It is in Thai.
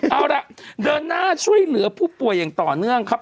เอาล่ะเดินหน้าช่วยเหลือผู้ป่วยอย่างต่อเนื่องครับ